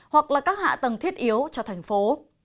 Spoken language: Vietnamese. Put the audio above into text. hoặc là các hạ tầng thiết yếu cho thành phố